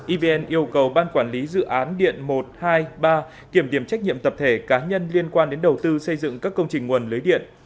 evn yêu cầu ban quản lý dự án điện một trăm hai mươi ba kiểm điểm trách nhiệm tập thể cá nhân liên quan đến đầu tư xây dựng các công trình nguồn lưới điện